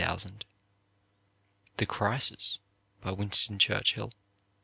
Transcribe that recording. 400,000 "The Crisis," by Winston Churchill .